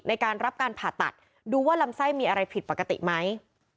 ในการรับการผ่าตัดดูว่าลำไส้มีอะไรผิดปกติไหม